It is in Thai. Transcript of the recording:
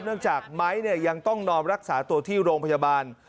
จากไม้ยังต้องนอนรักษาตัวที่โรงพยาบาล